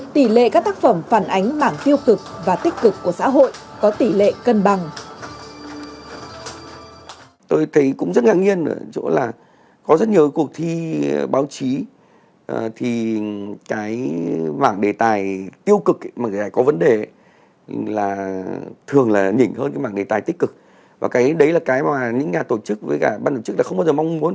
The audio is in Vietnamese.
tỷ lệ các tác phẩm phản ánh bảng tiêu cực và tích cực của xã hội có tỷ lệ cân bằng